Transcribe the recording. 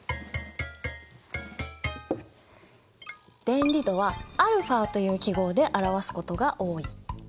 電離度はαという記号で表すことが多い。